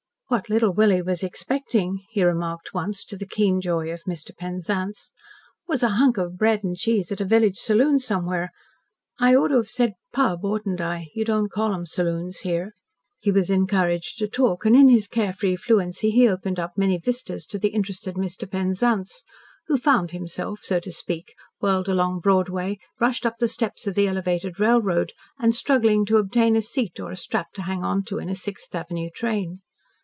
"What Little Willie was expecting," he remarked once, to the keen joy of Mr. Penzance, "was a hunk of bread and cheese at a village saloon somewhere. I ought to have said 'pub,' oughtn't I? You don't call them saloons here." He was encouraged to talk, and in his care free fluency he opened up many vistas to the interested Mr. Penzance, who found himself, so to speak, whirled along Broadway, rushed up the steps of the elevated railroad and struggling to obtain a seat, or a strap to hang to on a Sixth Avenue train.